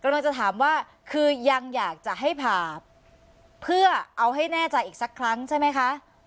กำลังจะถามว่าคือยังอยากจะให้ผ่าเพื่อเอาให้แน่ใจอีกสักครั้งใช่ไหมคะ